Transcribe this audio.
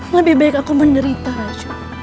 lebih baik aku menderita racu